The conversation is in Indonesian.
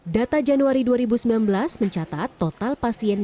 data januari dua ribu sembilan belas mencatat total pasien